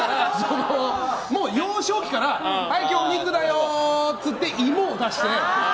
もう幼少期からはい、お肉だよってイモを出して。